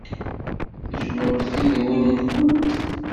Tejjmemt timidiwin-nwent?